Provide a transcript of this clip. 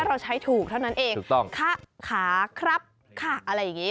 เราใช้ถูกเท่านั้นเองถูกต้องค่ะขาครับค่ะอะไรอย่างนี้